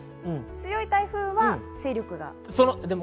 強い台風は勢力が強い。